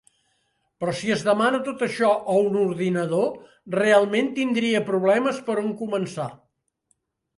Però si es demana tot això a un ordinador, realment tindria problemes per on començar.